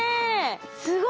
すごい。